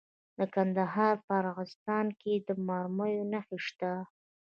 د کندهار په ارغستان کې د مرمرو نښې شته.